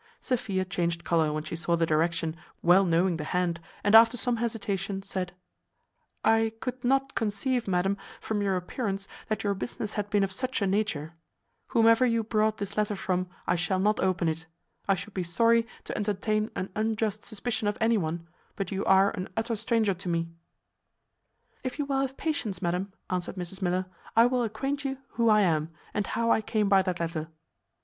Sophia changed colour when she saw the direction, well knowing the hand, and after some hesitation, said "I could not conceive, madam, from your appearance, that your business had been of such a nature. Whomever you brought this letter from, I shall not open it. I should be sorry to entertain an unjust suspicion of any one; but you are an utter stranger to me." "If you will have patience, madam," answered Mrs Miller, "I will acquaint you who I am, and how I came by that letter."